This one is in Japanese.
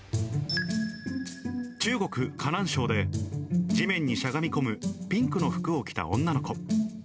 中国・河南省で、地面にしゃがみ込むピンクの服を着た女の子。